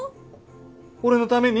俺のために？